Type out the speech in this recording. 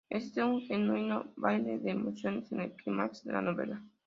Existe un genuino baile de emociones en el clímax de la novela".